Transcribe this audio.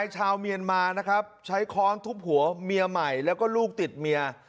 ชาวเมียนมานะครับใช้ค้อนทุบหัวเมียใหม่แล้วก็ลูกติดเมีย